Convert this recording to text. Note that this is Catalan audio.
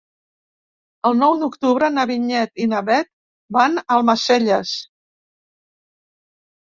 El nou d'octubre na Vinyet i na Bet van a Almacelles.